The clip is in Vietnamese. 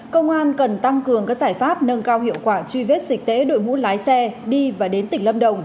công an cần tăng cường các giải pháp nâng cao hiệu quả truy vết dịch tễ đội ngũ lái xe đi và đến tỉnh lâm đồng